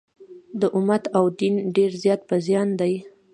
د امت او دین ډېر زیات په زیان دي.